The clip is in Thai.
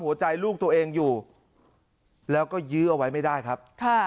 หัวใจลูกตัวเองอยู่แล้วก็ยื้อเอาไว้ไม่ได้ครับ